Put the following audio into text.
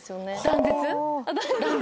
断絶？＃